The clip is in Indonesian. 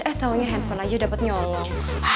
eh taunya handphone aja dapat nyolong